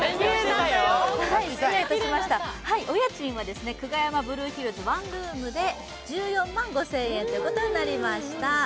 お家賃は久我山ブルーヒルズ、ワンルームで１４万５０００円となりました。